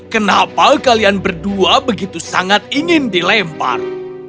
kenapa kalian berdua begitu sangat ingin dilempar